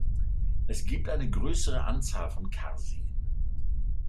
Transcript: Es gibt eine größere Anzahl von Karseen.